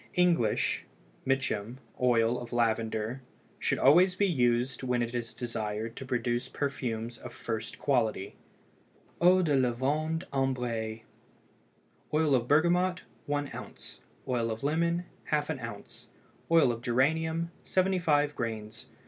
English (Mitcham) oil of lavender should always be used when it is desired to produce perfumes of first quality. EAU DE LAVANDE AMBRÉE. Oil of bergamot 1 oz. Oil of lemon ½ oz. Oil of geranium 75 grains.